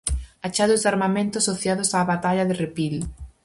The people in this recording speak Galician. Achados de armamento asociados á batalla de Repil.